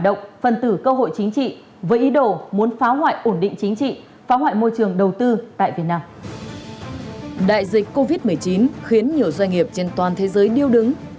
đại dịch covid một mươi chín khiến nhiều doanh nghiệp trên toàn thế giới điêu đứng